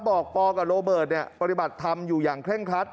ปอกับโรเบิร์ตปฏิบัติธรรมอยู่อย่างเคร่งครัด